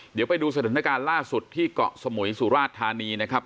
เดี๋ยวไปดูสถานการณ์ล่าสุดที่เกาะสมุยสุราชธานีนะครับ